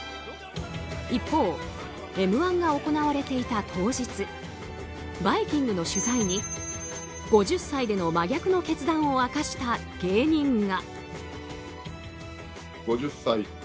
一方「Ｍ‐１」が行われていた当日「バイキング」の取材に５０歳での真逆の決断を明かした芸人が。